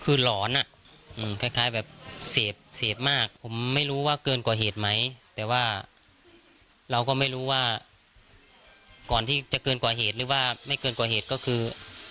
คือหลอนอ่ะคล้ายแบบเสพเสพมากผมไม่รู้ว่าเกินกว่าเหตุไหมแต่ว่าเราก็ไม่รู้ว่าก่อนที่จะเกินกว่าเหตุหรือว่าไม่เกินกว่าเหตุก็คือ